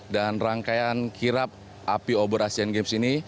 dan rangkaian kirap api obor asian games ini